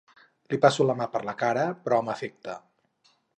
Li passo la mà per la cara, però amb afecte.